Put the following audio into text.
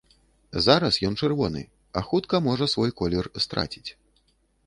Зараз ён чырвоны, а хутка можа свой колер страціць.